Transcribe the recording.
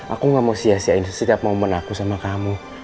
aku gak mau sia siain setiap momen aku sama kamu